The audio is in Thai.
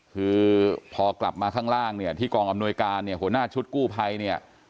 คือพอกลับมาข้างล่างเนี่ยที่กองอำนวยการเนี่ยหัวหน้าชุดกู้ภัยเนี่ย